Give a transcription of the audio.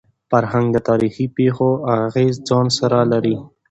فرهنګ د تاریخي پېښو اغېز ځان سره لري.